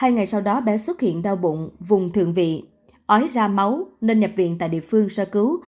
hai ngày sau đó bé xuất hiện đau bụng vùng thượng vị ói ra máu nên nhập viện tại địa phương sơ cứu